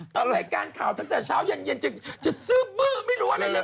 แต่รายการข่าวตั้งแต่เช้าเย็นจะซื้อบื้อไม่รู้อะไรเลย